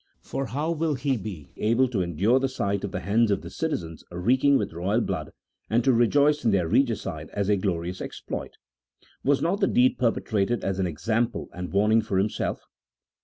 For how will he be able to endure the sight of the hands of the citizens reeking with royal blood, and to re joice in their regicide as a glorious exploit ? Was not the deed perpetrated as an example and warning for himself